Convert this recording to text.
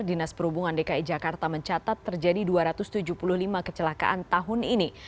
dinas perhubungan dki jakarta mencatat terjadi dua ratus tujuh puluh lima kecelakaan tahun ini